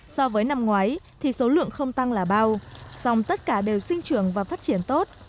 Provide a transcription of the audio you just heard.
so với năm ngoái thì số lượng không tăng là bao song tất cả đều sinh trường và phát triển tốt